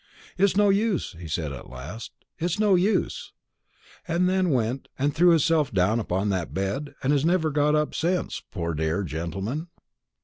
'It's no use,' he said at last; 'it's no use!' and then went and threw hisself down upon that bed, and has never got up since, poor dear gentleman!